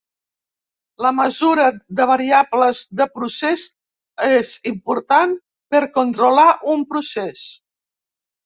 La mesura de variables de procés és important per controlar un procés.